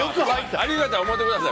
ありがとうって思ってください